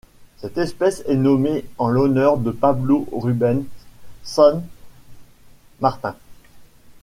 Cette espèce est nommée en l'honneur de Pablo Rubens San Martín.